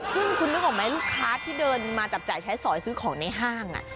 ซึ่งคุณนึกออกไหมลูกค้าที่เดินมาจับจ่ายใช้สอยซื้อของในห้าง